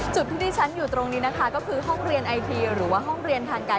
จุดที่ดีฉันอยู่ตรงนี้นะคะ